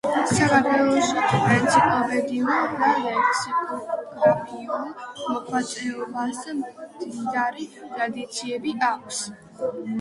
საქართველოში ენციკლოპედიურ და ლექსიკოგრაფიულ მოღვაწეობას მდიდარი ტრადიციები აქვს.